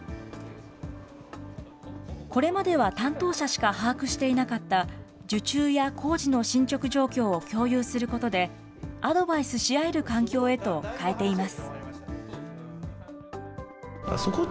これまでは担当者しか把握していなかった、受注や工事の進捗状況を共有することで、アドバイスし合える環境へと変えています。